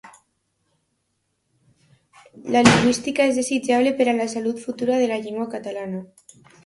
La lingüística és desitjable per a la salut futura de la llengua catalana.